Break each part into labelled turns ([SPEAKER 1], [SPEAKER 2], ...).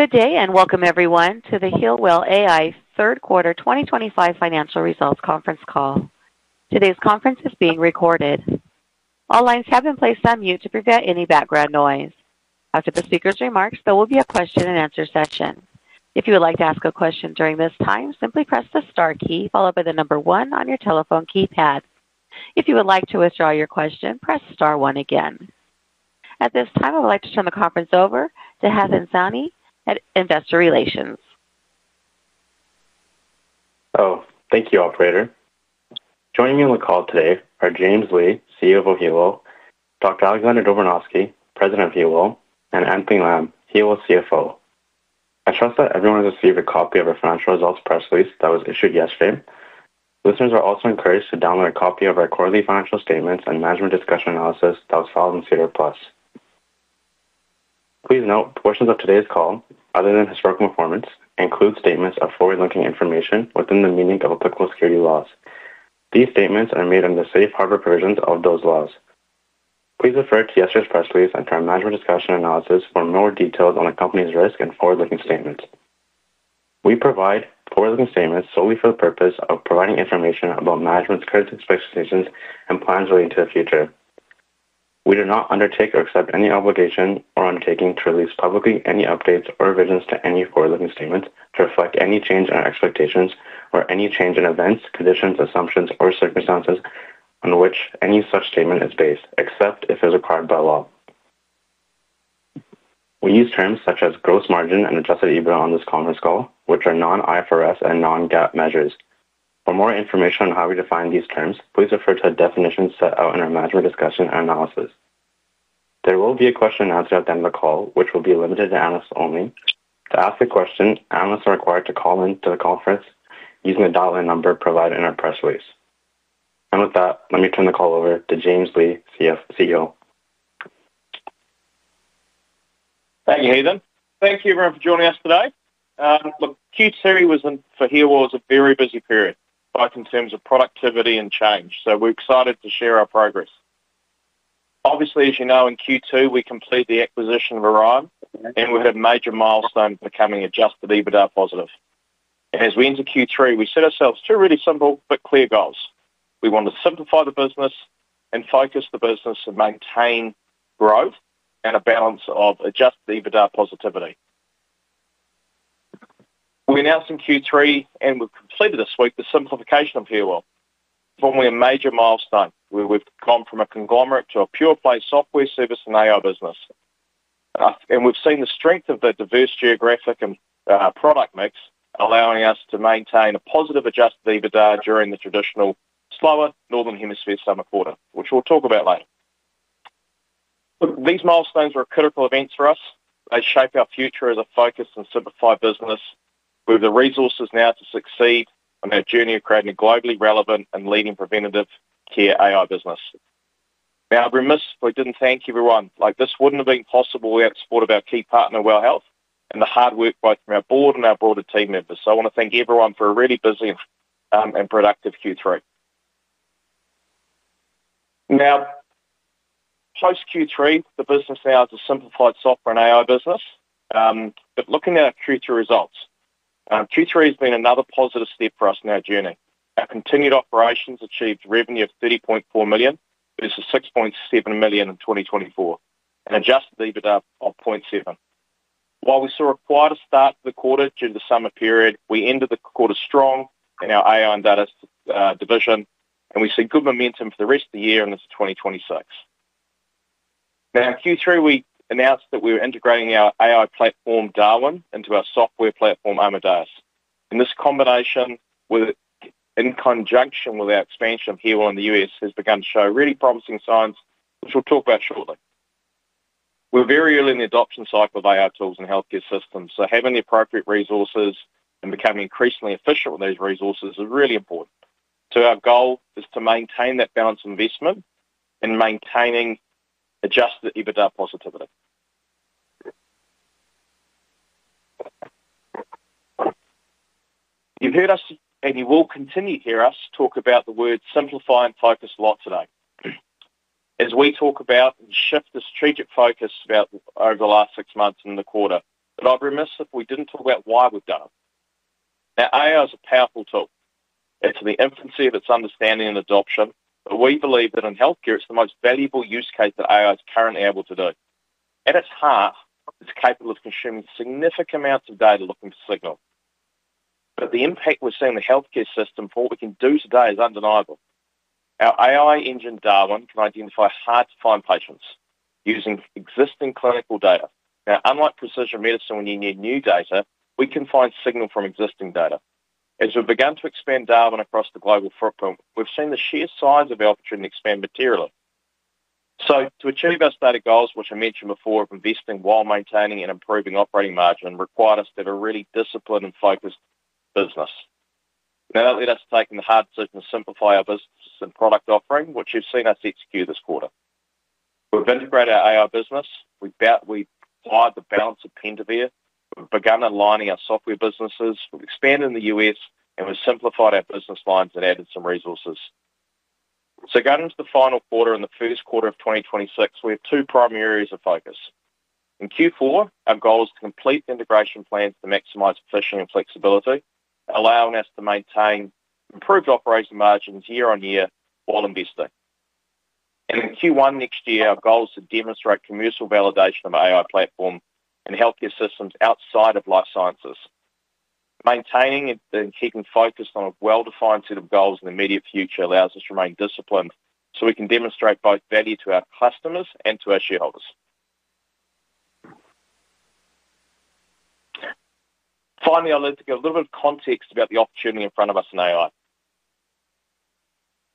[SPEAKER 1] Good day and welcome, everyone, to the Healwell AI third quarter 2025 financial results conference call. Today's conference is being recorded. All lines have been placed on mute to prevent any background noise. After the speaker's remarks, there will be a question and answer session. If you would like to ask a question during this time, simply press the star key followed by the number one on your telephone keypad. If you would like to withdraw your question, press star one again. At this time, I would like to turn the conference over to Hefton Seni at Investor Relations.
[SPEAKER 2] Oh, thank you, Operator. Joining me on the call today are James Lee, CEO of Healwell; Dr. Alexander Dobranowski, President of Healwell; and Anthony Lam, Healwell CFO. I trust that everyone has a favorite copy of our financial results press release that was issued yesterday. Listeners are also encouraged to download a copy of our quarterly financial statements and management discussion analysis that was filed in SEDAR+. Please note portions of today's call, other than historical performance, include statements of forward-looking information within the meaning of applicable securities laws. These statements are made under the safe harbor provisions of those laws. Please refer to yesterday's press release and to our management discussion analysis for more details on the company's risk and forward-looking statements. We provide forward-looking statements solely for the purpose of providing information about management's current expectations and plans relating to the future. We do not undertake or accept any obligation or undertaking to release publicly any updates or revisions to any forward-looking statements to reflect any change in our expectations or any change in events, conditions, assumptions, or circumstances on which any such statement is based, except if it is required by law. We use terms such as gross margin and Adjusted EBITDA on this conference call, which are non-IFRS and non-GAAP measures. For more information on how we define these terms, please refer to the definitions set out in our management discussion analysis. There will be a question and answer at the end of the call, which will be limited to analysts only. To ask a question, analysts are required to call into the conference using the dial-in number provided in our press release. With that, let me turn the call over to James Lee, CEO.
[SPEAKER 3] Thank you, Hefton. Thank you, everyone, for joining us today. Look, Q2 was for Healwell a very busy period, both in terms of productivity and change. We are excited to share our progress. Obviously, as you know, in Q2, we completed the acquisition of Orion, and we had a major milestone for becoming Adjusted EBITDA positive. As we enter Q3, we set ourselves two really simple but clear goals. We want to simplify the business and focus the business to maintain growth and a balance of Adjusted EBITDA positivity. We announced in Q3, and we have completed this week, the simplification of Healwell. Formally a major milestone where we have gone from a conglomerate to a pure-play software service and AI business. We have seen the strength of the diverse geographic and product mix, allowing us to maintain a positive Adjusted EBITDA during the traditional slower northern hemisphere summer quarter, which we will talk about later. These milestones are critical events for us. They shape our future as a focused and simplified business with the resources now to succeed on our journey of creating a globally relevant and leading preventative care AI business. I would be remiss if we did not thank everyone. This would not have been possible without the support of our key partner, WELL Health, and the hard work both from our board and our broader team members. I want to thank everyone for a really busy and productive Q3. Post-Q3, the business now is a simplified software and AI business. Looking at our Q2 results, Q3 has been another positive step for us in our journey. Our continued operations achieved revenue of 30.4 million versus 6.7 million in 2024 and Adjusted EBITDA of 0.7 million. While we saw a quieter start to the quarter due to the summer period, we ended the quarter strong in our AI and data division, and we see good momentum for the rest of the year into 2026. Now, in Q3, we announced that we were integrating our AI platform, DARWEN, into our software platform, Amadeus. This combination, in conjunction with our expansion of Healwell in the U.S., has begun to show really promising signs, which we will talk about shortly. We are very early in the adoption cycle of AI tools in healthcare systems, so having the appropriate resources and becoming increasingly efficient with those resources is really important. Our goal is to maintain that balance of investment and maintaining Adjusted EBITDA positivity. You've heard us, and you will continue to hear us talk about the word simplify and focus a lot today. As we talk about and shift the strategic focus about over the last six months and the quarter, but I'd be remiss if we didn't talk about why we've done it. Now, AI is a powerful tool. It's in the infancy of its understanding and adoption, but we believe that in healthcare, it's the most valuable use case that AI is currently able to do. At its heart, it's capable of consuming significant amounts of data looking for signal. The impact we're seeing in the healthcare system for what we can do today is undeniable. Our AI engine, DARWEN, can identify hard-to-find patients using existing clinical data. Now, unlike precision medicine, when you need new data, we can find signal from existing data. As we've begun to expand DARWEN across the global footprint, we've seen the sheer size of our opportunity to expand materially. To achieve those data goals, which I mentioned before of investing while maintaining and improving operating margin, required us to have a really disciplined and focused business. That led us to taking the hard decision to simplify our business and product offering, which you've seen us execute this quarter. We've integrated our AI business. We've wired the balance of Pentavere. We've begun aligning our software businesses. We've expanded in the U.S., and we've simplified our business lines and added some resources. Going into the final quarter and the first quarter of 2026, we have two primary areas of focus. In Q4, our goal is to complete the integration plans to maximize efficiency and flexibility, allowing us to maintain improved operating margins year on year while investing. In Q1 next year, our goal is to demonstrate commercial validation of our AI platform and healthcare systems outside of life sciences. Maintaining and keeping focused on a well-defined set of goals in the immediate future allows us to remain disciplined so we can demonstrate both value to our customers and to our shareholders. Finally, I'd like to give a little bit of context about the opportunity in front of us in AI.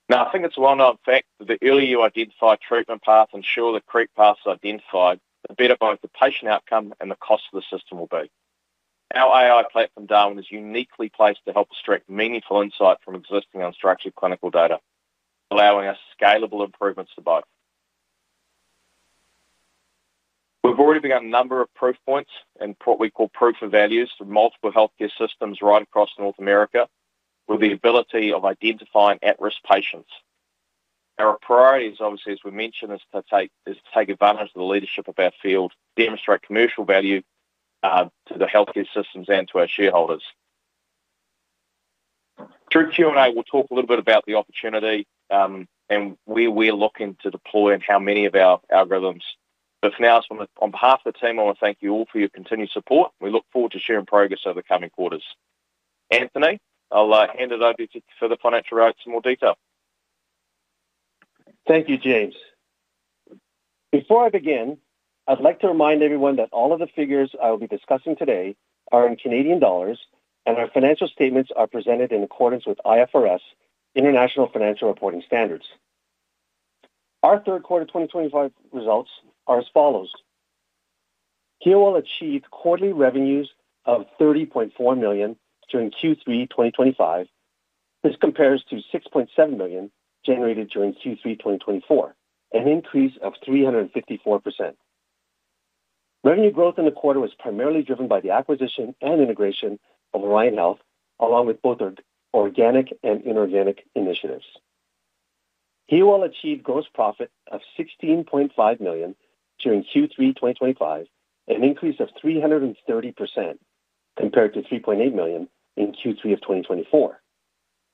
[SPEAKER 3] Now, I think it's a well-known fact that the earlier you identify a treatment path and ensure the correct path is identified, the better both the patient outcome and the cost of the system will be. Our AI platform, DARWEN, is uniquely placed to help extract meaningful insight from existing unstructured clinical data, allowing us scalable improvements to both. We've already begun a number of proof points and what we call proof of values for multiple healthcare systems right across North America with the ability of identifying at-risk patients. Our priorities, obviously, as we mentioned, is to take advantage of the leadership of our field, demonstrate commercial value to the healthcare systems and to our shareholders. Through Q&A, we'll talk a little bit about the opportunity and where we're looking to deploy and how many of our algorithms. For now, on behalf of the team, I want to thank you all for your continued support. We look forward to sharing progress over the coming quarters. Anthony, I'll hand it over to you for the financial roads in more detail.
[SPEAKER 4] Thank you, James. Before I begin, I'd like to remind everyone that all of the figures I will be discussing today are in CAD, and our financial statements are presented in accordance with IFRS International Financial Reporting Standards. Our third quarter 2025 results are as follows. Healwell achieved quarterly revenues of CAD 30.4 million during Q3 2025. This compares to 6.7 million generated during Q3 2024, an increase of 354%. Revenue growth in the quarter was primarily driven by the acquisition and integration of Orion Health, along with both organic and inorganic initiatives. Healwell achieved gross profit of 16.5 million during Q3 2025, an increase of 330% compared to 3.8 million in Q3 of 2024.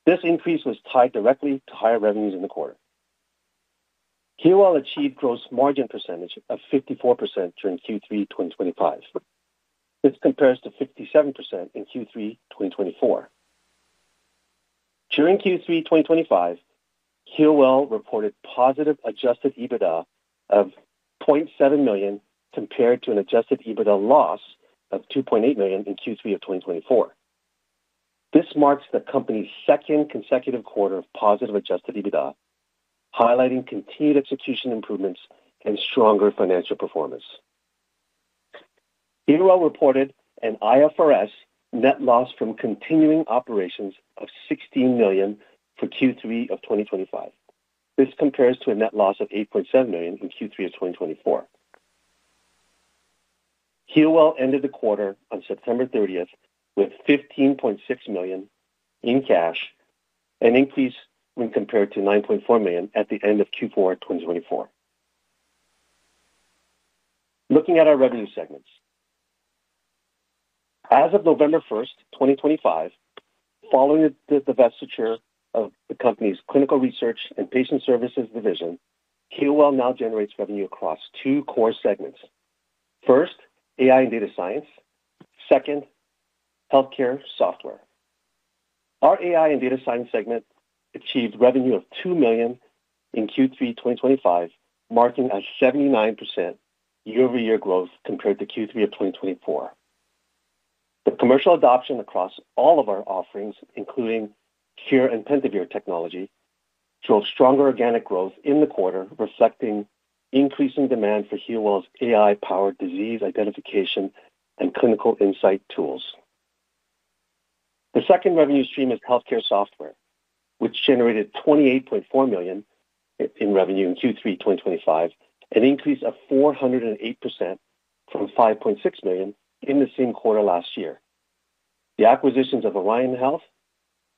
[SPEAKER 4] This increase was tied directly to higher revenues in the quarter. Healwell achieved gross margin percentage of 54% during Q3 2025. This compares to 57% in Q3 2024. During Q3 2025, Healwell reported positive Adjusted EBITDA of $0.7 million compared to an Adjusted EBITDA loss of $2.8 million in Q3 of 2024. This marks the company's second consecutive quarter of positive Adjusted EBITDA, highlighting continued execution improvements and stronger financial performance. Healwell reported an IFRS net loss from continuing operations of $16 million for Q3 of 2025. This compares to a net loss of $8.7 million in Q3 of 2024. Healwell ended the quarter on September 30th with $15.6 million in cash, an increase when compared to $9.4 million at the end of Q4 2024. Looking at our revenue segments, as of November 1st, 2025, following the divestiture of the company's clinical research and patient services division, Healwell now generates revenue across two core segments. First, AI and data science. Second, healthcare software. Our AI and data science segment achieved revenue of 2 million in Q3 2025, marking a 79% year-over-year growth compared to Q3 of 2024. The commercial adoption across all of our offerings, including Cure and Pentavere technology, drove stronger organic growth in the quarter, reflecting increasing demand for Healwell's AI-powered disease identification and clinical insight tools. The second revenue stream is healthcare software, which generated 28.4 million in revenue in Q3 2025, an increase of 408% from 5.6 million in the same quarter last year. The acquisitions of Orion Health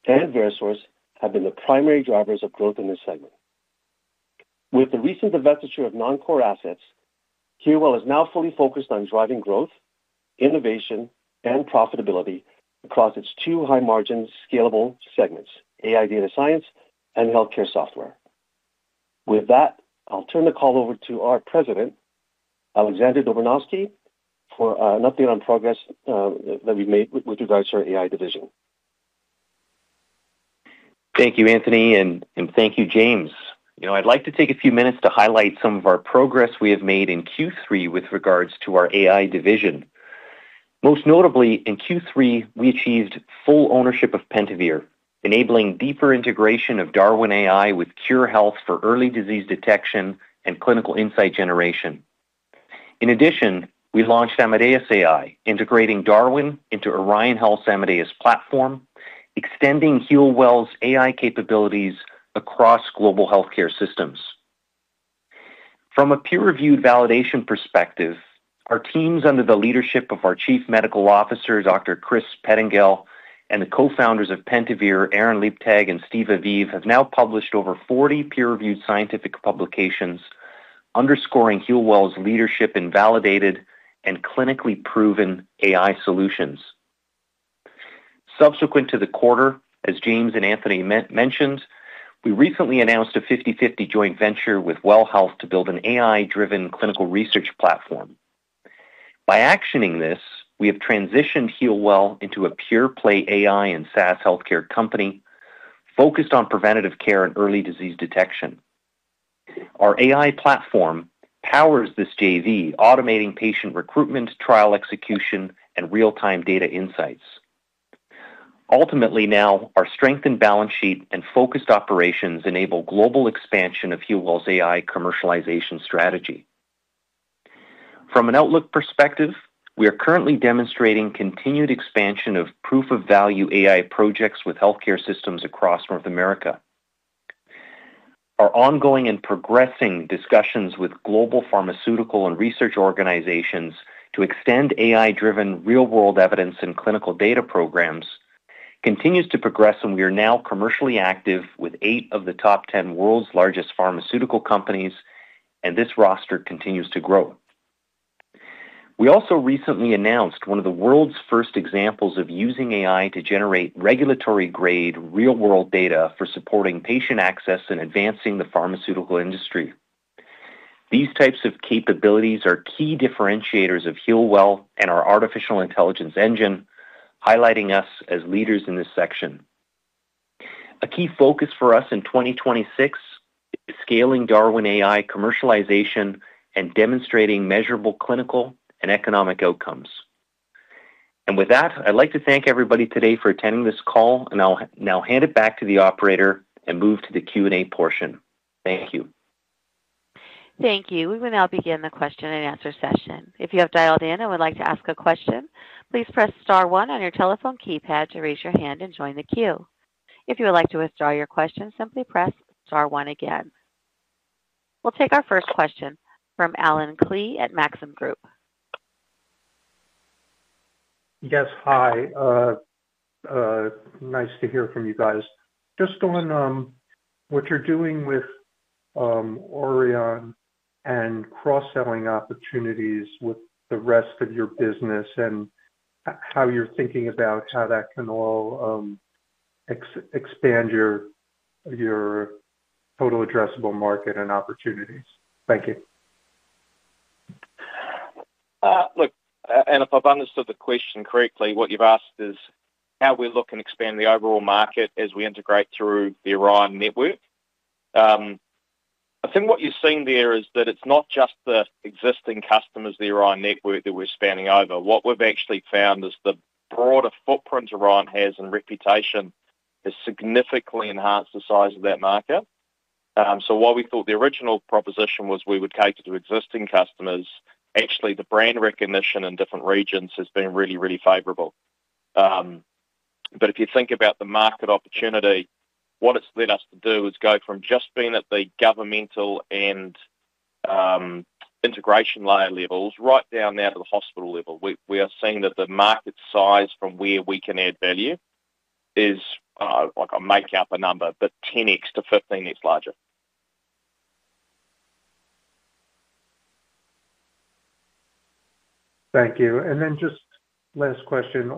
[SPEAKER 4] and VeroSource have been the primary drivers of growth in this segment. With the recent divestiture of non-core assets, Healwell is now fully focused on driving growth, innovation, and profitability across its two high-margin scalable segments, AI data science and healthcare software. With that, I'll turn the call over to our President, Alexander Dobranowski, for an update on progress that we've made with regards to our AI division.
[SPEAKER 5] Thank you, Anthony, and thank you, James. You know, I'd like to take a few minutes to highlight some of our progress we have made in Q3 with regards to our AI division. Most notably, in Q3, we achieved full ownership of Pentavere, enabling deeper integration of DARWEN AI with Cure Health for early disease detection and clinical insight generation. In addition, we launched Amadeus AI, integrating DARWEN into Orion Health's Amadeus platform, extending Healwell's AI capabilities across global healthcare systems. From a peer-reviewed validation perspective, our teams under the leadership of our Chief Medical Officer, Dr. Chris Pettengell, and the co-founders of Pentavere, Aaron Leibtag, and Steve Aviv, have now published over 40 peer-reviewed scientific publications, underscoring Healwell's leadership in validated and clinically proven AI solutions. Subsequent to the quarter, as James and Anthony mentioned, we recently announced a 50/50 joint venture with WELL Health to build an AI-driven clinical research platform. By actioning this, we have transitioned Healwell into a pure-play AI and SaaS healthcare company focused on preventative care and early disease detection. Our AI platform powers this JV, automating patient recruitment, trial execution, and real-time data insights. Ultimately, now, our strengthened balance sheet and focused operations enable global expansion of Healwell's AI commercialization strategy. From an outlook perspective, we are currently demonstrating continued expansion of proof of value AI projects with healthcare systems across North America. Our ongoing and progressing discussions with global pharmaceutical and research organizations to extend AI-driven real-world evidence and clinical data programs continue to progress, and we are now commercially active with eight of the top 10 world's largest pharmaceutical companies, and this roster continues to grow. We also recently announced one of the world's first examples of using AI to generate regulatory-grade real-world data for supporting patient access and advancing the pharmaceutical industry. These types of capabilities are key differentiators of Healwell and our artificial intelligence engine, highlighting us as leaders in this section. A key focus for us in 2026 is scaling DARWEN AI commercialization and demonstrating measurable clinical and economic outcomes. I would like to thank everybody today for attending this call, and I will now hand it back to the operator and move to the Q&A portion. Thank you.
[SPEAKER 1] Thank you. We will now begin the question and answer session. If you have dialed in and would like to ask a question, please press star one on your telephone keypad to raise your hand and join the queue. If you would like to withdraw your question, simply press star one again. We'll take our first question from Allen Klee at Maxim Group.
[SPEAKER 6] Yes, hi. Nice to hear from you guys. Just on what you're doing with Orion and cross-selling opportunities with the rest of your business and how you're thinking about how that can all expand your total addressable market and opportunities. Thank you.
[SPEAKER 3] Look, and if I've understood the question correctly, what you've asked is how we look and expand the overall market as we integrate through the Orion network. I think what you've seen there is that it's not just the existing customers, the Orion network that we're spanning over. What we've actually found is the broader footprint Orion has and reputation has significantly enhanced the size of that market. While we thought the original proposition was we would cater to existing customers, actually the brand recognition in different regions has been really, really favorable. If you think about the market opportunity, what it's led us to do is go from just being at the governmental and integration layer levels right down now to the hospital level. We are seeing that the market size from where we can add value is, I'll make up a number, but 10x-15x larger.
[SPEAKER 6] Thank you. And then just last question,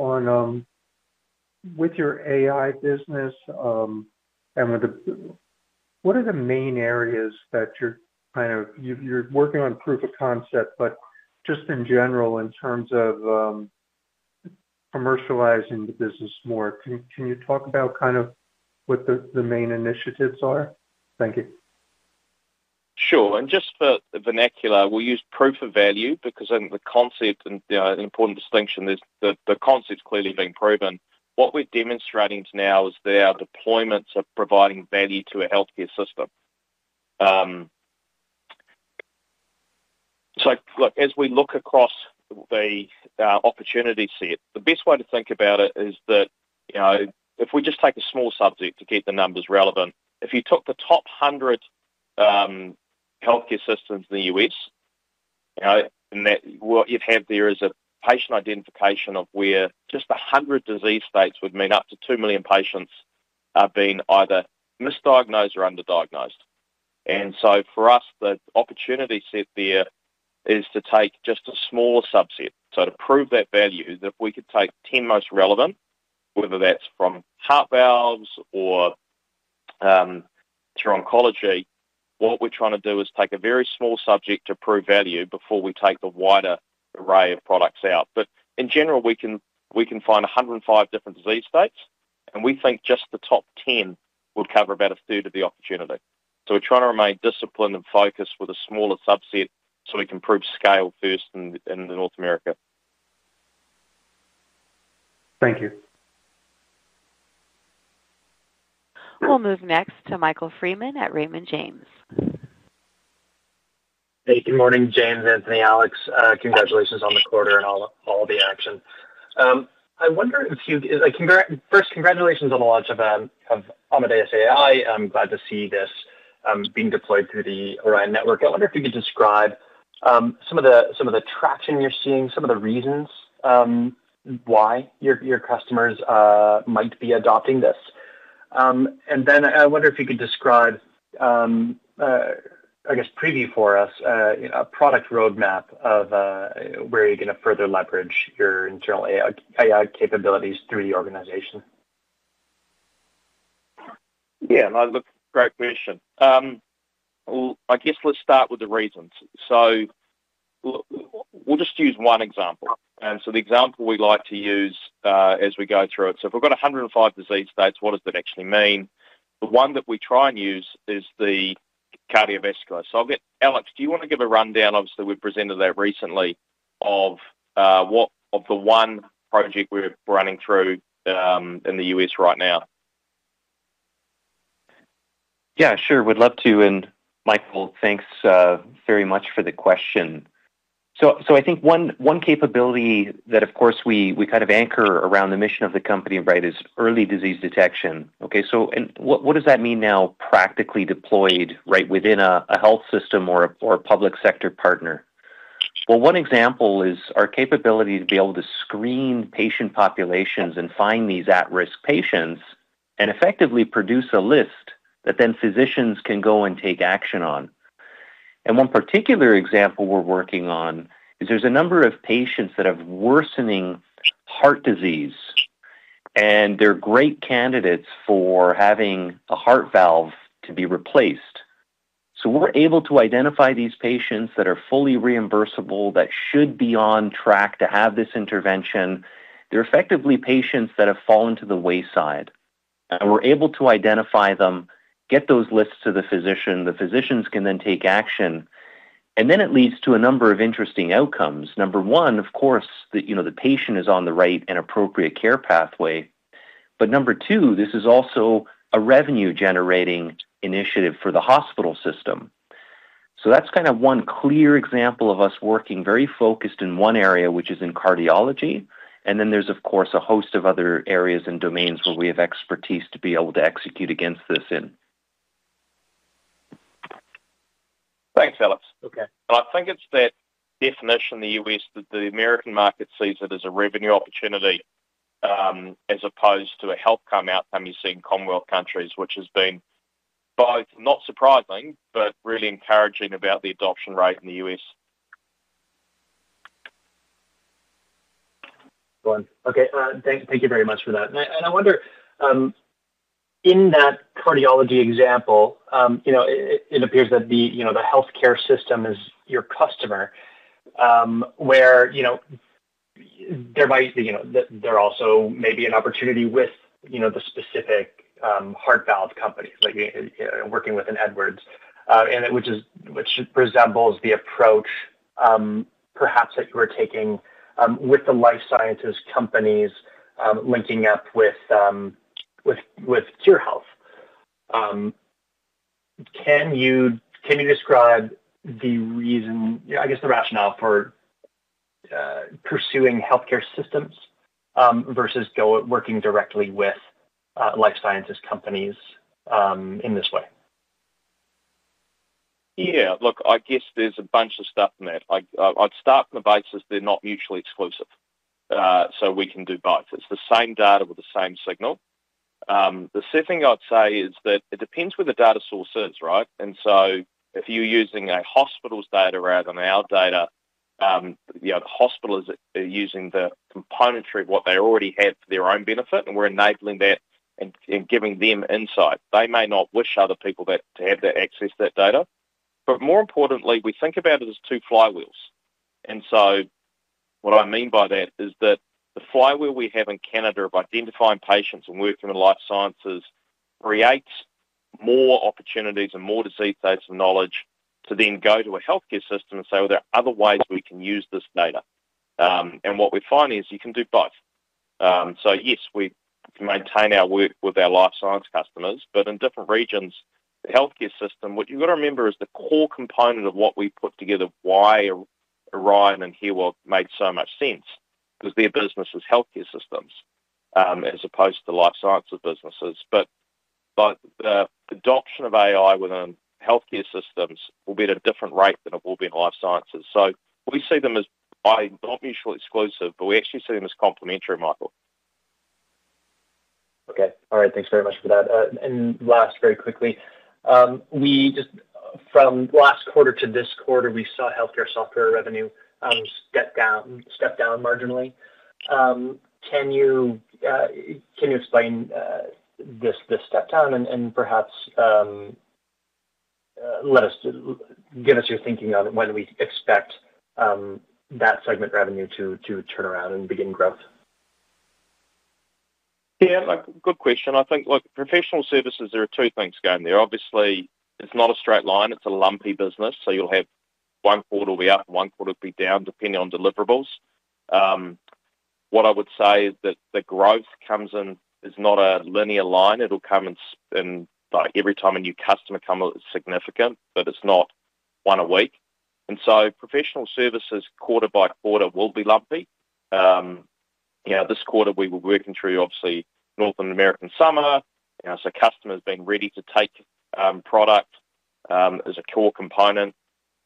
[SPEAKER 6] with your AI business, what are the main areas that you're kind of, you're working on proof of concept, but just in general, in terms of commercializing the business more? Can you talk about kind of what the main initiatives are? Thank you.
[SPEAKER 3] Sure. And just for the vernacular, we use proof of value because I think the concept and the important distinction is the concept's clearly being proven. What we're demonstrating now is that our deployments are providing value to a healthcare system. Look, as we look across the opportunity set, the best way to think about it is that if we just take a small subject to keep the numbers relevant, if you took the top 100 healthcare systems in the U.S., what you'd have there is a patient identification of where just 100 disease states would mean up to 2 million patients are being either misdiagnosed or underdiagnosed. For us, the opportunity set there is to take just a smaller subset. To prove that value, that if we could take 10 most relevant, whether that's from heart valves or through oncology, what we're trying to do is take a very small subject to prove value before we take the wider array of products out. In general, we can find 105 different disease states, and we think just the top 10 would cover about a third of the opportunity. We're trying to remain disciplined and focused with a smaller subset so we can prove scale first in North America.
[SPEAKER 6] Thank you.
[SPEAKER 1] We'll move next to Michael Freeman at Raymond James.
[SPEAKER 7] Hey, good morning, James, Anthony, Alex. Congratulations on the quarter and all the action. I wonder if you can, first, congratulations on the launch of Amadeus AI. I'm glad to see this being deployed through the Orion network. I wonder if you could describe some of the traction you're seeing, some of the reasons why your customers might be adopting this. I wonder if you could describe, I guess, preview for us a product roadmap of where you're going to further leverage your internal AI capabilities through the organization.
[SPEAKER 3] Yeah, look, great question. I guess let's start with the reasons. We'll just use one example. The example we like to use as we go through it, if we've got 105 disease states, what does that actually mean? The one that we try and use is the cardiovascular. I'll get Alex, do you want to give a rundown? Obviously, we've presented that recently of the one project we're running through in the U.S. right now.
[SPEAKER 5] Yeah, sure. We'd love to. Michael, thanks very much for the question. I think one capability that, of course, we kind of anchor around the mission of the company, right, is early disease detection. Okay. What does that mean now practically deployed right within a health system or a public sector partner? One example is our capability to be able to screen patient populations and find these at-risk patients and effectively produce a list that then physicians can go and take action on. One particular example we're working on is there's a number of patients that have worsening heart disease, and they're great candidates for having a heart valve to be replaced. We're able to identify these patients that are fully reimbursable, that should be on track to have this intervention. They're effectively patients that have fallen to the wayside. We are able to identify them, get those lists to the physician. The physicians can then take action. It leads to a number of interesting outcomes. Number one, of course, the patient is on the right and appropriate care pathway. Number two, this is also a revenue-generating initiative for the hospital system. That is one clear example of us working very focused in one area, which is in cardiology. There is, of course, a host of other areas and domains where we have expertise to be able to execute against this in.
[SPEAKER 3] Thanks, Alex.
[SPEAKER 7] Okay.
[SPEAKER 3] I think it's that definition in the U.S. that the American market sees it as a revenue opportunity as opposed to a healthcare outcome you see in Commonwealth countries, which has been both not surprising, but really encouraging about the adoption rate in the U.S.
[SPEAKER 7] Okay. Thank you very much for that. I wonder, in that cardiology example, it appears that the healthcare system is your customer, where there also may be an opportunity with the specific heart valve companies, like working within Edwards, which resembles the approach perhaps that you were taking with the life sciences companies linking up with Khure Health. Can you describe the reason, I guess, the rationale for pursuing healthcare systems versus working directly with life sciences companies in this way?
[SPEAKER 3] Yeah. Look, I guess there's a bunch of stuff in there. I'd start from the basis they're not mutually exclusive. We can do both. It's the same data with the same signal. The second thing I'd say is that it depends where the data source is, right? If you're using a hospital's data rather than our data, the hospitals are using the componentry of what they already have for their own benefit, and we're enabling that and giving them insight. They may not wish other people to have that access, that data. More importantly, we think about it as two flywheels. What I mean by that is that the flywheel we have in Canada of identifying patients and working with life sciences creates more opportunities and more disease states of knowledge to then go to a healthcare system and say, "Well, there are other ways we can use this data." What we find is you can do both. Yes, we maintain our work with our life science customers, but in different regions, the healthcare system, what you have to remember is the core component of what we put together, why Orion and Healwell made so much sense, because their business is healthcare systems as opposed to life sciences businesses. The adoption of AI within healthcare systems will be at a different rate than it will be in life sciences. We see them as not mutually exclusive, but we actually see them as complementary, Michael.
[SPEAKER 7] Okay. All right. Thanks very much for that. And last, very quickly, from last quarter to this quarter, we saw healthcare software revenue step down marginally. Can you explain this step down and perhaps give us your thinking on when we expect that segment revenue to turn around and begin growth?
[SPEAKER 3] Yeah. Good question. I think, look, professional services, there are two things going there. Obviously, it's not a straight line. It's a lumpy business. You'll have one quarter will be up and one quarter will be down depending on deliverables. What I would say is that the growth comes in is not a linear line. It'll come in every time a new customer comes is significant, but it's not one a week. Professional services quarter by quarter will be lumpy. This quarter, we were working through, obviously, North American summer. Customers being ready to take product is a core component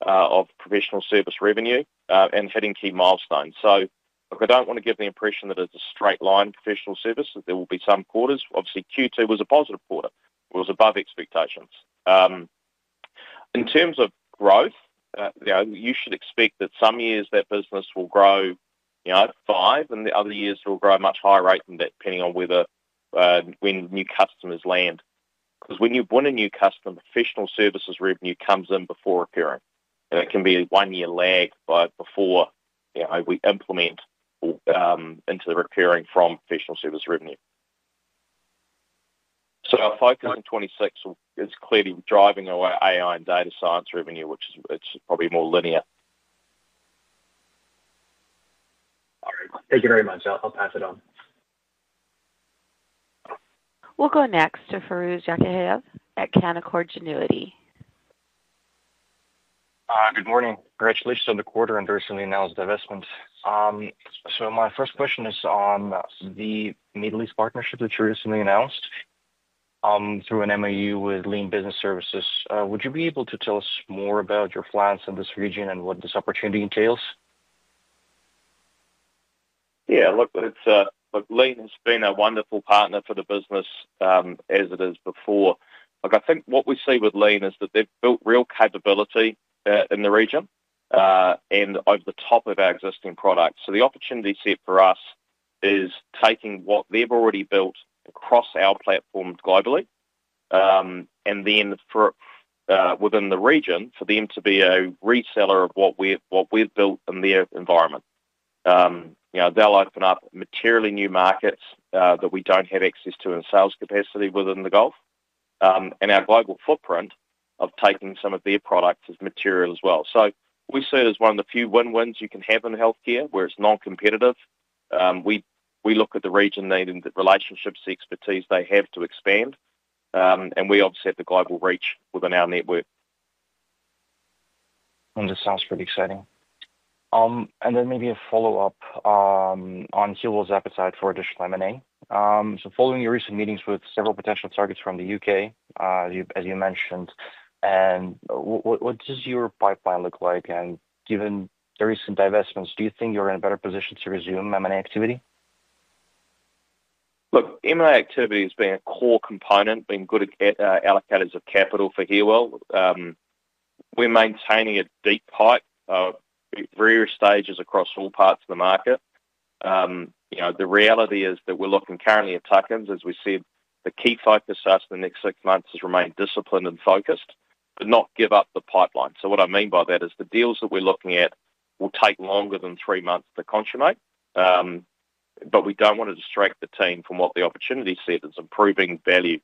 [SPEAKER 3] of professional service revenue and hitting key milestones. I don't want to give the impression that it's a straight line professional service. There will be some quarters. Obviously, Q2 was a positive quarter. It was above expectations. In terms of growth, you should expect that some years that business will grow five, and the other years it will grow a much higher rate than that depending on when new customers land. Because when you bring a new custom, professional services revenue comes in before recurring. And it can be a one-year lag before we implement into the recurring from professional service revenue. So our focus in 2026 is clearly driving away AI and data science revenue, which is probably more linear.
[SPEAKER 7] Thank you very much. I'll pass it on.
[SPEAKER 1] We'll go next to Firuz Yakhyayev at Canaccord Genuity.
[SPEAKER 8] Good morning. Congratulations on the quarter and recently announced divestment. So my first question is on the Middle East partnership that you recently announced through an MOU with Lean Business Services. Would you be able to tell us more about your plans in this region and what this opportunity entails?
[SPEAKER 3] Yeah. Look, Lean has been a wonderful partner for the business as it is before. Look, I think what we see with Lean is that they've built real capability in the region and over the top of our existing products. So the opportunity set for us is taking what they've already built across our platform globally and then within the region for them to be a reseller of what we've built in their environment. They'll open up materially new markets that we don't have access to in sales capacity within the Gulf and our global footprint of taking some of their products as material as well. So we see it as one of the few win-wins you can have in healthcare, where it's non-competitive. We look at the region needing the relationships, the expertise they have to expand, and we obviously have the global reach within our network.
[SPEAKER 8] And this sounds pretty exciting. And then maybe a follow-up on Healwell's appetite for additional M&A. So following your recent meetings with several potential targets from the UK, as you mentioned, and what does your pipeline look like? And given the recent divestments, do you think you're in a better position to resume M&A activity?
[SPEAKER 3] Look, M&A activity has been a core component, been good at allocators of capital for Healwell. We're maintaining a deep pipe through various stages across all parts of the market. The reality is that we're looking currently at tokens. As we said, the key focus for us in the next six months is to remain disciplined and focused, but not give up the pipeline. What I mean by that is the deals that we're looking at will take longer than three months to consummate. We do not want to distract the team from what the opportunity set is improving value.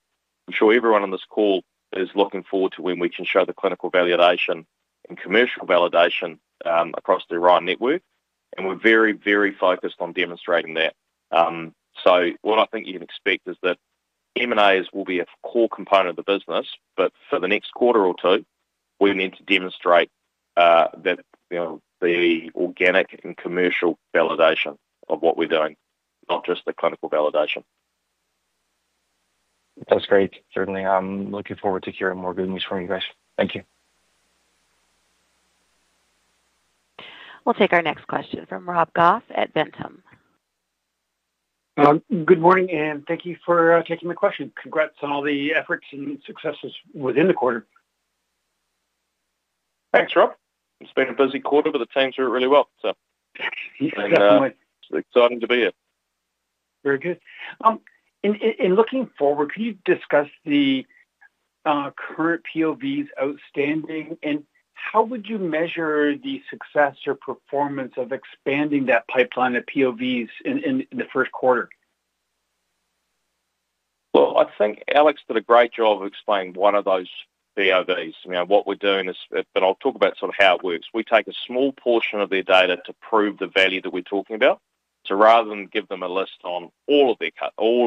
[SPEAKER 3] I'm sure everyone on this call is looking forward to when we can show the clinical validation and commercial validation across the Orion network. We're very, very focused on demonstrating that. So what I think you can expect is that M&As will be a core component of the business, but for the next quarter or two, we need to demonstrate that the organic and commercial validation of what we're doing, not just the clinical validation.
[SPEAKER 8] That's great. Certainly. I'm looking forward to hearing more good news from you guys. Thank you.
[SPEAKER 1] We'll take our next question from Rob Goff at Ventum.
[SPEAKER 9] Good morning, and thank you for taking my question. Congrats on all the efforts and successes within the quarter.
[SPEAKER 3] Thanks, Rob. It's been a busy quarter, but the teams worked really well, so.
[SPEAKER 9] Definitely.
[SPEAKER 3] It's exciting to be here.
[SPEAKER 9] Very good. In looking forward, could you discuss the current POVs outstanding, and how would you measure the success or performance of expanding that pipeline of POVs in the first quarter?
[SPEAKER 3] Well, I think Alex did a great job of explaining one of those POVs. What we're doing is, but I'll talk about sort of how it works. We take a small portion of their data to prove the value that we're talking about. So rather than give them a list on all of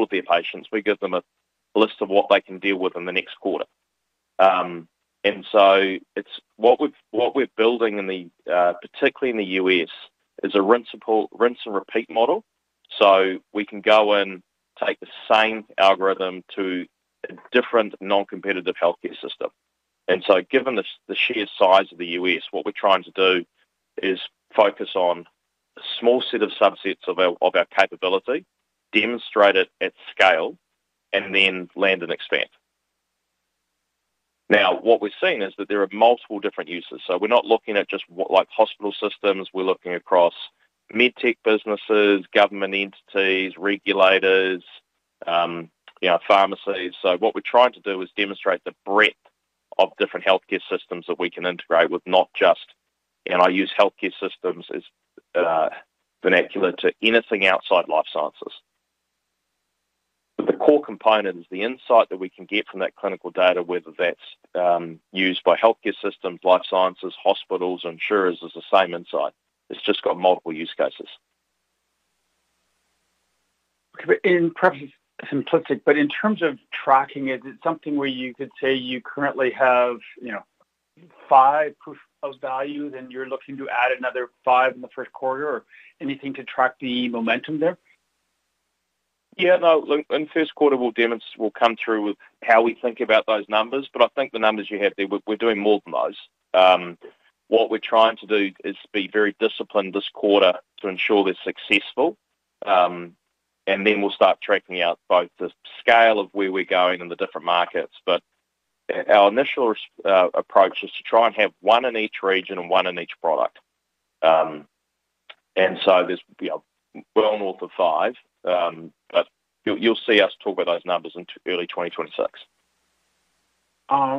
[SPEAKER 3] their patients, we give them a list of what they can deal with in the next quarter. And so what we're building in the, particularly in the U.S., is a rinse and repeat model. So we can go and take the same algorithm to a different non-competitive healthcare system. And so given the sheer size of the U.S., what we're trying to do is focus on a small set of subsets of our capability, demonstrate it at scale, and then land and expand. Now, what we're seeing is that there are multiple different uses. So we're not looking at just hospital systems. We're looking across med tech businesses, government entities, regulators, pharmacies. So what we're trying to do is demonstrate the breadth of different healthcare systems that we can integrate with, not just, and I use healthcare systems as vernacular to anything outside life sciences. But the core component is the insight that we can get from that clinical data, whether that's used by healthcare systems, life sciences, hospitals, insurers, is the same insight. It's just got multiple use cases.
[SPEAKER 9] And perhaps it's simplistic, but in terms of tracking, is it something where you could say you currently have five of value and you're looking to add another five in the first quarter or anything to track the momentum there?
[SPEAKER 3] Yeah. Look, in the first quarter, we'll come through with how we think about those numbers. I think the numbers you have there, we're doing more than those. What we're trying to do is be very disciplined this quarter to ensure they're successful. Then we'll start tracking out both the scale of where we're going in the different markets. Our initial approach is to try and have one in each region and one in each product. There is well north of five, but you'll see us talk about those numbers into early 2026.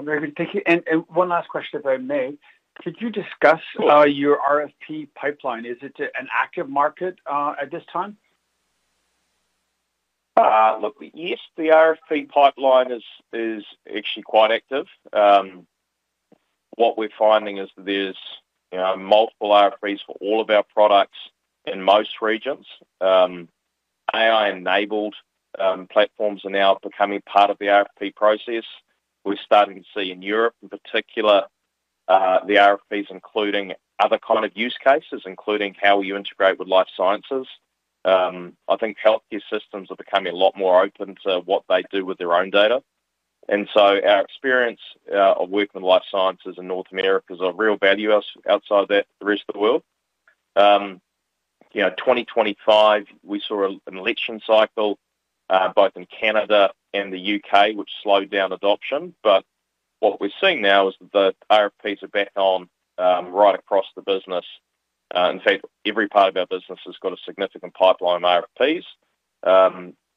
[SPEAKER 9] Very good. Thank you. One last question if I may. Could you discuss your RFP pipeline? Is it an active market at this time?
[SPEAKER 3] Look, yes, the RFP pipeline is actually quite active. What we're finding is there's multiple RFPs for all of our products in most regions. AI-enabled platforms are now becoming part of the RFP process. We're starting to see in Europe, in particular, the RFPs including other kind of use cases, including how you integrate with life sciences. I think healthcare systems are becoming a lot more open to what they do with their own data. Our experience of working with life sciences in North America is of real value outside the rest of the world. In 2025, we saw an election cycle both in Canada and the UK, which slowed down adoption. What we're seeing now is that the RFPs are back on right across the business. In fact, every part of our business has got a significant pipeline of RFPs.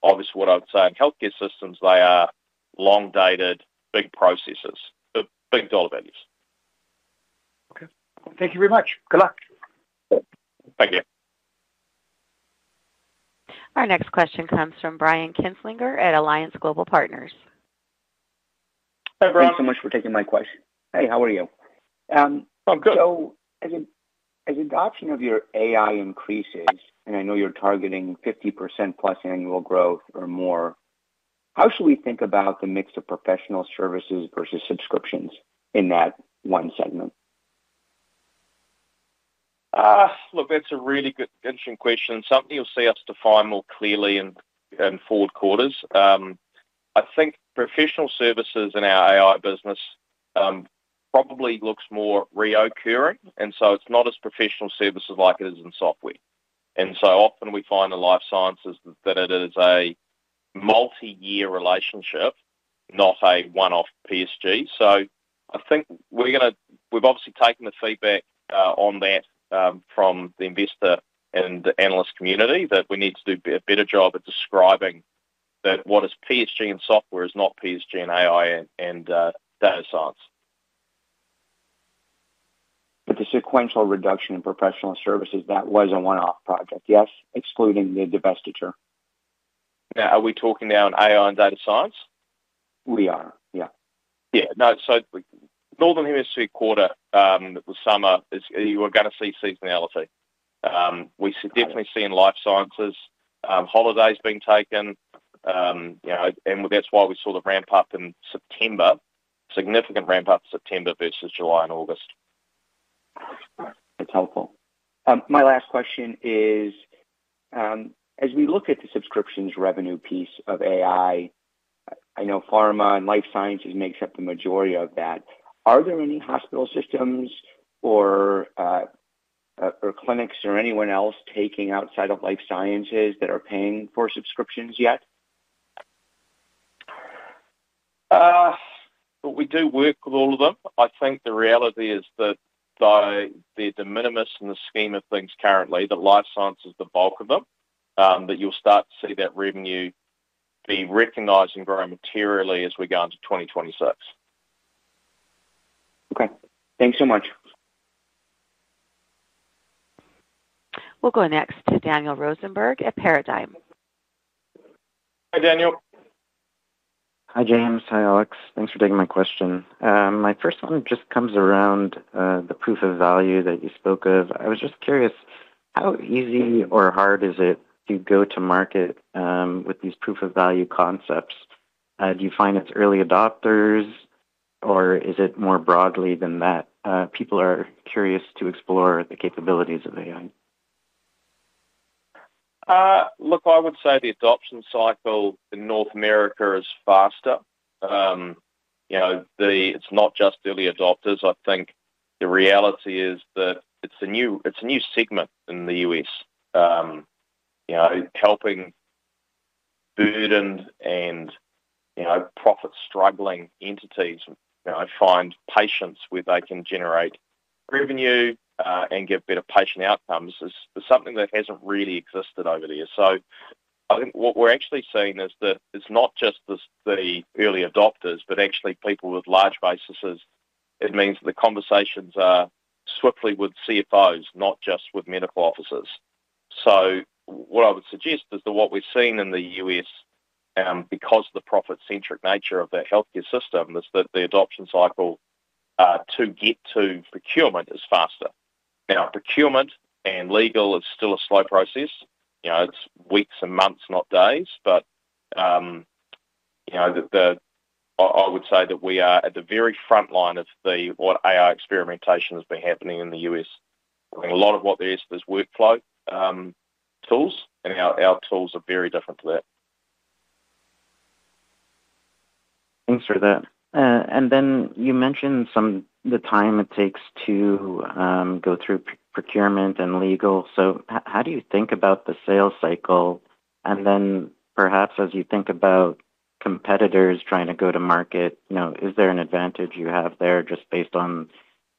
[SPEAKER 3] Obviously, what I would say in healthcare systems, they are long-dated, big processes, big dollar values.
[SPEAKER 9] Okay. Thank you very much. Good luck.
[SPEAKER 3] Thank you.
[SPEAKER 1] Our next question comes from Brian Kinstlinger at Alliance Global Partners.
[SPEAKER 3] Hey, Brian.
[SPEAKER 10] Thanks so much for taking my question. Hey, how are you?
[SPEAKER 3] I'm good.
[SPEAKER 10] So as adoption of your AI increases, and I know you're targeting 50%+ annual growth or more, how should we think about the mix of professional services versus subscriptions in that one segment?
[SPEAKER 3] Look, that's a really good, interesting question. Something you'll see us define more clearly in four quarters. I think professional services in our AI business probably looks more reoccurring. And so it's not as professional services like it is in software. And so often we find in life sciences that it is a multi-year relationship, not a one-off PSG. So I think we're going to we've obviously taken the feedback on that from the investor and the analyst community that we need to do a better job at describing that what is PSG in software is not PSG in AI and data science.
[SPEAKER 10] But the sequential reduction in professional services, that was a one-off project, yes, excluding the divestiture.
[SPEAKER 3] Now, are we talking now in AI and data science?
[SPEAKER 10] We are, yeah.
[SPEAKER 3] Yeah. No, so Northern Hemisphere quarter this summer, you were going to see seasonality. We should definitely see in life sciences holidays being taken. And that's why we saw the ramp-up in September, significant ramp-up in September versus July and August.
[SPEAKER 10] That's helpful. My last question is, as we look at the subscriptions revenue piece of AI, I know pharma and life sciences makes up the majority of that. Are there any hospital systems or clinics or anyone else taking outside of life sciences that are paying for subscriptions yet?
[SPEAKER 3] Look, we do work with all of them. I think the reality is that they're de minimis in the scheme of things currently, that life science is the bulk of them, that you'll start to see that revenue be recognized and grow materially as we go into 2026.
[SPEAKER 10] Okay. Thanks so much.
[SPEAKER 1] We'll go next to Daniel Rosenberg at Paradigm.
[SPEAKER 3] Hi, Daniel.
[SPEAKER 11] Hi, James. Hi, Alex. Thanks for taking my question. My first one just comes around the proof of value that you spoke of. I was just curious, how easy or hard is it to go to market with these proof of value concepts? Do you find it's early adopters, or is it more broadly than that? People are curious to explore the capabilities of AI.
[SPEAKER 3] Look, I would say the adoption cycle in North America is faster. It's not just early adopters. I think the reality is that it's a new segment in the US, helping burdened and profit-struggling entities find patients where they can generate revenue and get better patient outcomes. It's something that hasn't really existed over the years. So I think what we're actually seeing is that it's not just the early adopters, but actually people with large bases. It means that the conversations are swiftly with CFOs, not just with medical officers. So what I would suggest is that what we're seeing in the U.S., because of the profit-centric nature of that healthcare system, is that the adoption cycle to get to procurement is faster. Now, procurement and legal is still a slow process. It's weeks and months, not days. But I would say that we are at the very front line of what AI experimentation has been happening in the U.S. I think a lot of what there is is workflow tools, and our tools are very different to that.
[SPEAKER 11] Thanks for that. And then you mentioned the time it takes to go through procurement and legal. So how do you think about the sales cycle? And then perhaps as you think about competitors trying to go to market, is there an advantage you have there just based on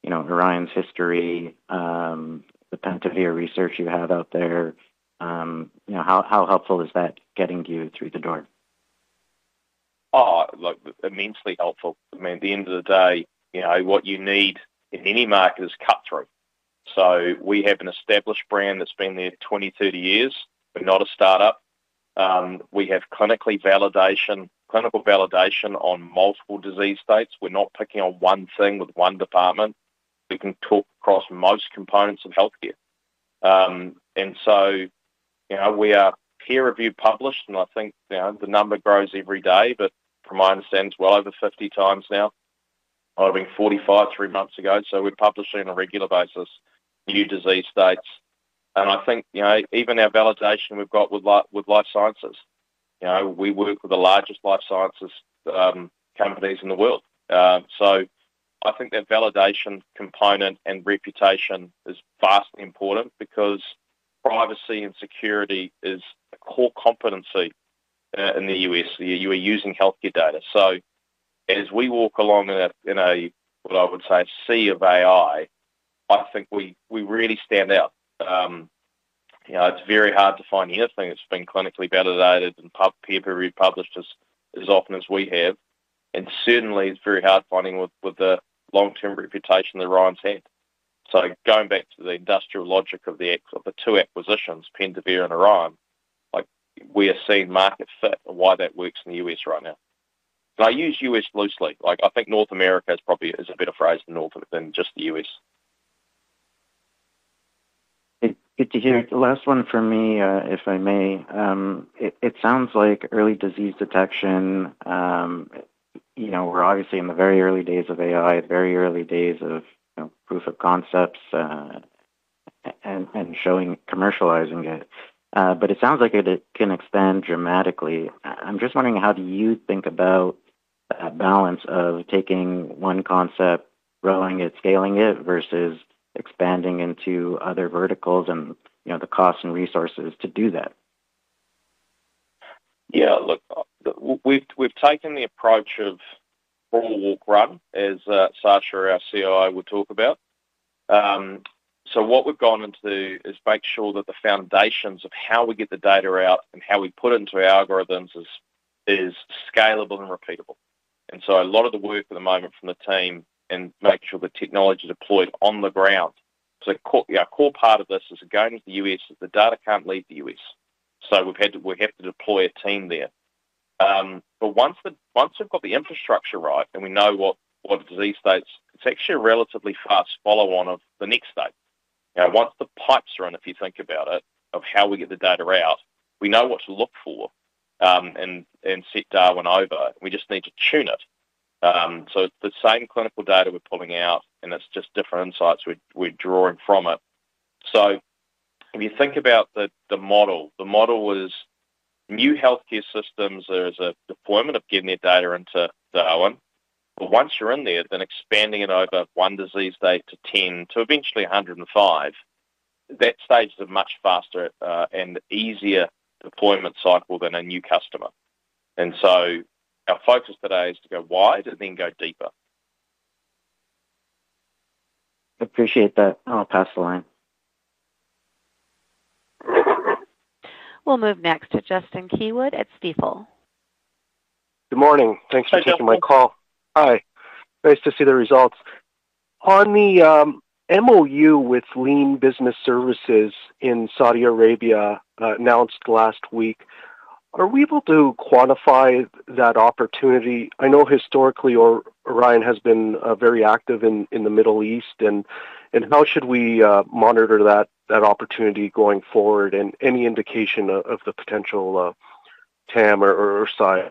[SPEAKER 11] Orion's history, the Pentavere research you have out there? How helpful is that getting you through the door?
[SPEAKER 3] Look, immensely helpful. I mean, at the end of the day, what you need in any market is cut-through. So we have an established brand that's been there 20, 30 years. We're not a startup. We have clinical validation on multiple disease states. We're not picking on one thing with one department. We can talk across most components of healthcare. And so we are peer-reviewed, published, and I think the number grows every day, but from my understanding, it's well over 50 times now. I think 45 three months ago. So we're publishing on a regular basis new disease states. And I think even our validation we've got with life sciences, we work with the largest life sciences companies in the world. So I think that validation component and reputation is vastly important because privacy and security is a core competency in the U.S. where you are using healthcare data. So as we walk along in a, what I would say, sea of AI, I think we really stand out. It's very hard to find anything that's been clinically validated and peer-reviewed, published as often as we have, and certainly, it's very hard finding with the long-term reputation that Orion's had. Going back to the industrial logic of the two acquisitions, Pentavere and Orion, we are seeing market fit and why that works in the U.S. right now, and I use U.S. loosely. I think North America is probably a better phrase than just the U.S.
[SPEAKER 11] Good to hear. The last one for me, if I may. It sounds like early disease detection. We're obviously in the very early days of AI, very early days of proof of concepts and commercializing it. But it sounds like it can expand dramatically. I'm just wondering, how do you think about that balance of taking one concept, growing it, scaling it, versus expanding into other verticals and the cost and resources to do that?
[SPEAKER 3] Yeah. Look, we've taken the approach of formal walk-around, as Sacha our COO would talk about. So what we've gone into is make sure that the foundations of how we get the data out and how we put it into our algorithms is scalable and repeatable. So a lot of the work at the moment from the team is to make sure the technology is deployed on the ground. So a core part of this is going to the U.S., but the data can't leave the U.S. So we have to deploy a team there. But once we've got the infrastructure right and we know what disease states, it's actually a relatively fast follow-on of the next state. Once the pipes are in, if you think about it, of how we get the data out, we know what to look for and set DARWEN over. We just need to tune it, so it's the same clinical data we're pulling out, and it's just different insights we're drawing from it, so if you think about the model, the model is new healthcare systems. There is a deployment of getting that data into DARWEN, but once you're in there, then expanding it over one disease state to 10 to eventually 105, that stage is a much faster and easier deployment cycle than a new customer, and so our focus today is to go wide and then go deeper.
[SPEAKER 11] Appreciate that. I'll pass the line.
[SPEAKER 1] We'll move next to Justin Keywood at Stifel.
[SPEAKER 12] Good morning. Thanks for taking my call.
[SPEAKER 3] Hi, Justin.
[SPEAKER 12] Hi. Nice to see the results. On the MOU with Lean Business Services in Saudi Arabia announced last week, are we able to quantify that opportunity? I know historically Orion has been very active in the Middle East, and how should we monitor that opportunity going forward? And any indication of the potential TAM or SI?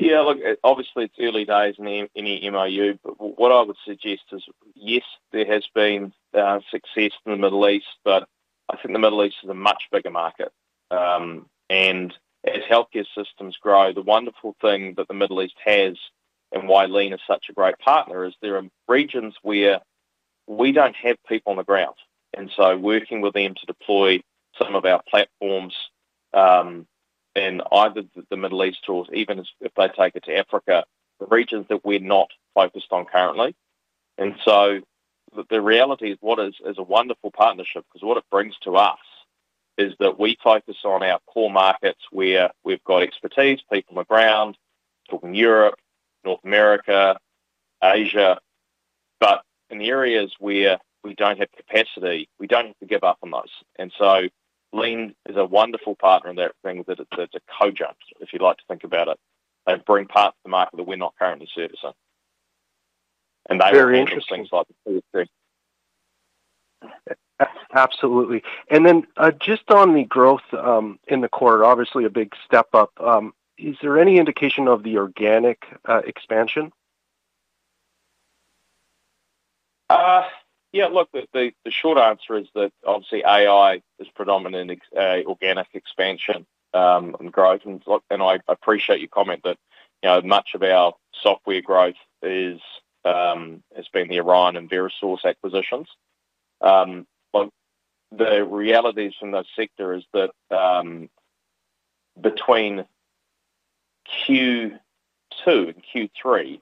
[SPEAKER 3] Yeah. Look, obviously, it's early days in any MOU. But what I would suggest is, yes, there has been success in the Middle East, but I think the Middle East is a much bigger market. And as healthcare systems grow, the wonderful thing that the Middle East has and why Lean is such a great partner is there are regions where we don't have people on the ground. And so working with them to deploy some of our platforms in either the Middle East or even if they take it to Africa, regions that we're not focused on currently. And so the reality is what is a wonderful partnership because what it brings to us is that we focus on our core markets where we've got expertise, people on the ground, talking Europe, North America, Asia. But in areas where we don't have capacity, we don't have to give up on those. And so Lean is a wonderful partner in that thing that it's a cojunt, if you like to think about it. They bring parts of the market that we're not currently servicing.
[SPEAKER 12] Absolutely. And then just on the growth in the quarter, obviously a big step up, is there any indication of the organic expansion?
[SPEAKER 3] Yeah. Look, the short answer is that obviously AI is predominantly organic expansion and growth. And I appreciate your comment that much of our software growth has been the Orion and VeroSource acquisitions. But the reality is from that sector is that between Q2 and Q3,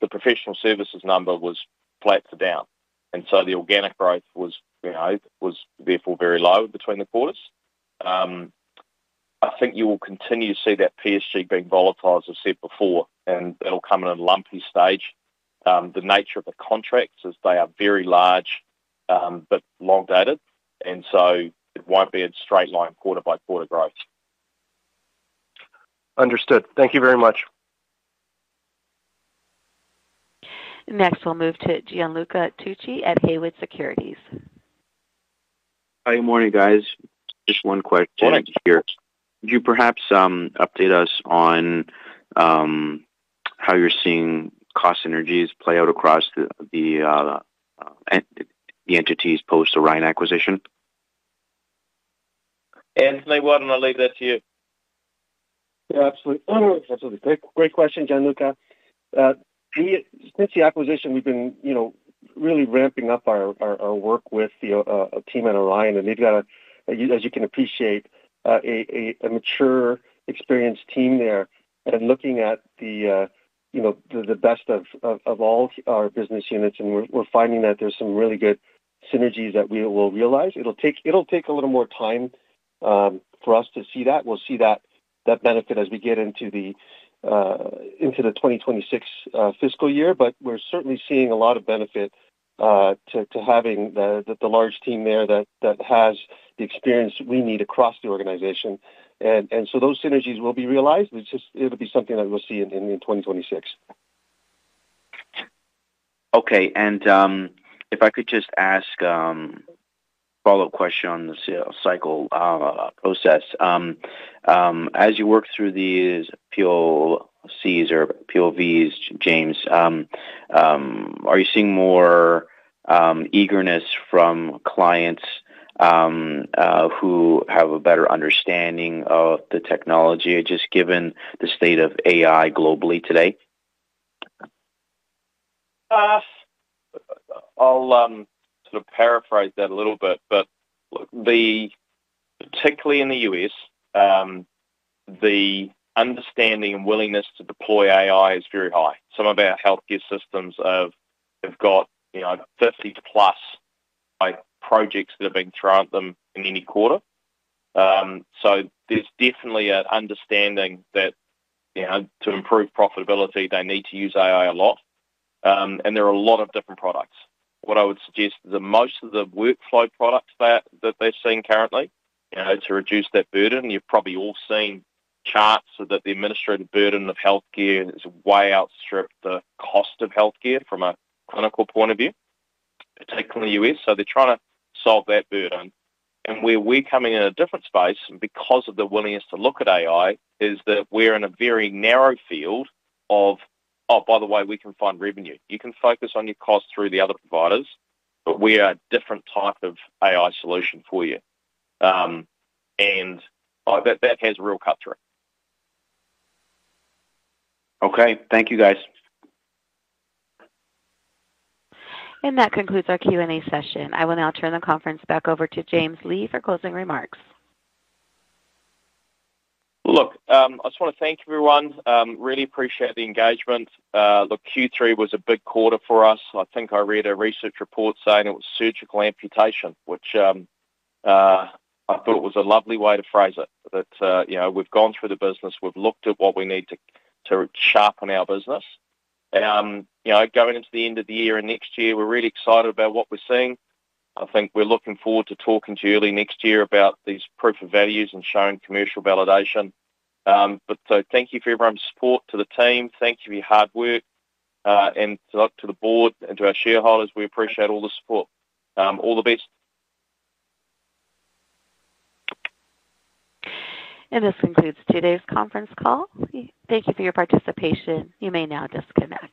[SPEAKER 3] the professional services number was flat to down. And so the organic growth was therefore very low between the quarters. I think you will continue to see that PSG being volatile, as I said before, and it'll come in a lumpy stage. The nature of the contracts is they are very large but long-dated, and so it won't be a straight line quarter-by-quarter growth.
[SPEAKER 12] Understood. Thank you very much.
[SPEAKER 1] Next, we'll move to Gianluca Tucci at Haywood Securities.
[SPEAKER 13] Hey, good morning, guys. Just one quick thing to hear. Could you perhaps update us on how you're seeing cost synergies play out across the entities post-Orion acquisition?
[SPEAKER 3] Anthony, why don't I leave that to you?
[SPEAKER 4] Yeah, absolutely. Absolutely. Great question, Gianluca. Since the acquisition, we've been really ramping up our work with a team at Orion, and they've got, as you can appreciate, a mature, experienced team there. And looking at the best of all our business units, and we're finding that there's some really good synergies that we will realize. It'll take a little more time for us to see that. We'll see that benefit as we get into the 2026 fiscal year, but we're certainly seeing a lot of benefit to having the large team there that has the experience we need across the organization. And so those synergies will be realized. It'll be something that we'll see in 2026.
[SPEAKER 13] Okay. And if I could just ask a follow-up question on the cycle process. As you work through these POCs or POVs, James, are you seeing more eagerness from clients who have a better understanding of the technology, just given the state of AI globally today?
[SPEAKER 3] I'll sort of paraphrase that a little bit. But particularly in the U.S., the understanding and willingness to deploy AI is very high. Some of our healthcare systems have got 50+ projects that have been thrown at them in any quarter. So there's definitely an understanding that to improve profitability, they need to use AI a lot. And there are a lot of different products. What I would suggest is that most of the workflow products that they're seeing currently to reduce that burden, you've probably all seen charts that the administrative burden of healthcare is way outstripped the cost of healthcare from a clinical point of view, particularly in the U.S. So they're trying to solve that burden. And where we're coming in a different space because of the willingness to look at AI is that we're in a very narrow field of, "Oh, by the way, we can find revenue. You can focus on your cost through the other providers, but we are a different type of AI solution for you." And that has a real cut-through.
[SPEAKER 13] Okay. Thank you, guys.
[SPEAKER 1] And that concludes our Q&A session. I will now turn the conference back over to James Lee for closing remarks.
[SPEAKER 3] Look, I just want to thank everyone. Really appreciate the engagement. Look, Q3 was a big quarter for us. I think I read a research report saying it was surgical amputation, which I thought was a lovely way to phrase it, that we've gone through the business, we've looked at what we need to sharpen our business. Going into the end of the year and next year, we're really excited about what we're seeing. I think we're looking forward to talking to you early next year about these proof of values and showing commercial validation. But thank you for everyone's support to the team. Thank you for your hard work. And to the board and to our shareholders, we appreciate all the support. All the best.
[SPEAKER 1] And this concludes today's conference call. Thank you for your participation. You may now disconnect.